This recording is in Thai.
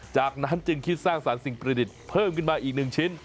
จากนั้นจึงคิดสร้างสรรค์สิ่งประดิษฐ์เพิ่มขึ้นมาอีก๑ชิ้น